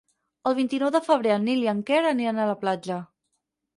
El vint-i-nou de febrer en Nil i en Quer aniran a la platja.